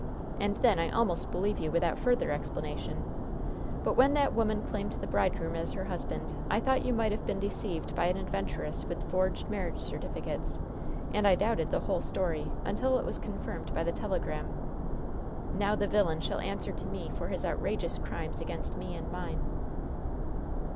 And then I almost believed you without further explanation; but, when that woman claimed the bridegroom as her husband, I thought you might have been deceived by an adventuress with forged marriage certificates, and I doubted the whole story, until it was confirmed by the telegram. Now the villain shall answer to me for his outrageous crimes against me and mine!"